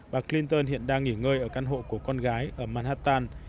bà clinton hiện đang nghỉ ngơi ở căn hộ của con gái ở manhattan